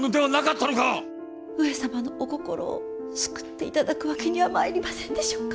上様のお心を救って頂くわけにはまいりませんでしょうか。